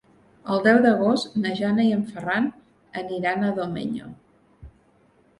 El deu d'agost na Jana i en Ferran aniran a Domenyo.